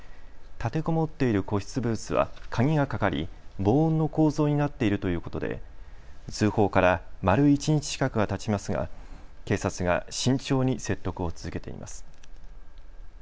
立てこもっている個室ブースは鍵がかかり防音の構造になっているということで通報から丸一日近くがたちますが警察が慎重に説得を続けています。